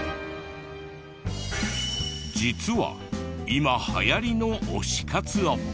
実は今流行りの推し活を。